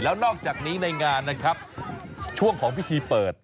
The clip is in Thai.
แล้วนอกจากนี้ในงานนะครับช่วงของพิธีเปิด